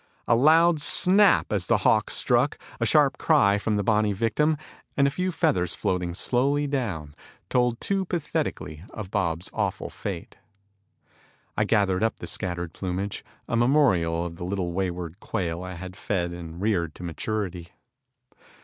A loud snap as the hawk struck, a sharp cry from the bonny victim, and a few feathers floating slowly down told too pathetically of Bob's awful fate. I gathered up the scattered plumage, a memorial of the little wayward quail I had fed and reared to maturity.